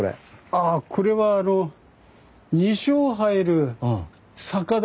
あこれはあの２升入る酒樽。